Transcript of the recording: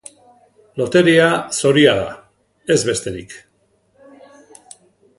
Loteria zoria da, ez besterik.